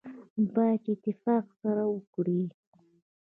باید چې اتفاق سره وکړي.